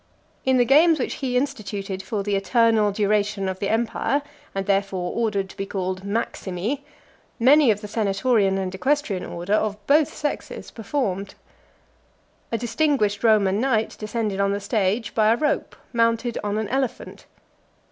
In the games which he instituted for the eternal duration of the empire, and therefore ordered to be called Maximi, many of the senatorian and equestrian order, of both sexes, performed. A distinguished Roman knight descended on the stage by a rope, mounted on an elephant.